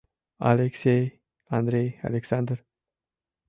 Алексей, Андрей, Александр?